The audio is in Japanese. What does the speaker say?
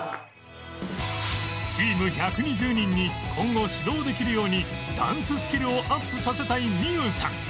チーム１２０人に今後指導できるようにダンススキルをアップさせたい美優さん